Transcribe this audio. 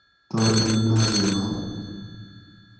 تانی ناظماۤن